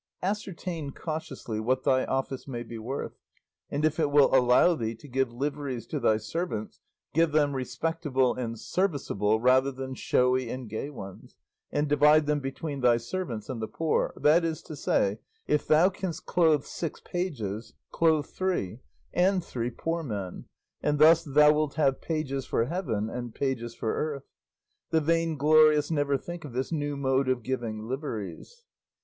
"Ascertain cautiously what thy office may be worth; and if it will allow thee to give liveries to thy servants, give them respectable and serviceable, rather than showy and gay ones, and divide them between thy servants and the poor; that is to say, if thou canst clothe six pages, clothe three and three poor men, and thus thou wilt have pages for heaven and pages for earth; the vainglorious never think of this new mode of giving liveries.